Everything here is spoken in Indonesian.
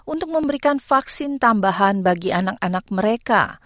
untuk memberikan vaksin tambahan bagi anak anak mereka